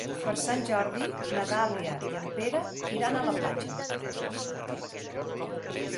Per Sant Jordi na Dàlia i en Pere iran a la platja.